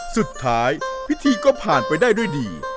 สุดท้ายพิธีก็ผ่านไปได้ด้วยดี